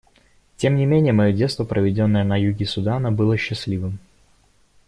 Тем не менее мое детство, проведенное на юге Судана, было счастливым.